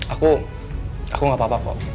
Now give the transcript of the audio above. aku aku gak apa apa kok